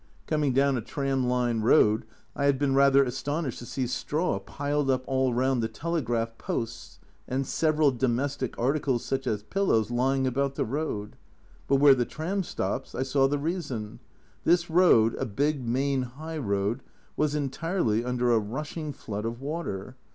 Coming down a tram line road I had been rather astonished to see straw piled up all round the telegraph posts, and several domestic articles such as pillows lying about the road, but where the tram stops I saw the reason, this road, a big main high road, was entirely under a rushing flood of water.